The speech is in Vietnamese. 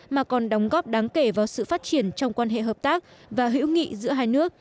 mà còn đóng góp đáng kể vào sự phát triển trong quan hệ hợp tác và hữu nghị giữa hai nước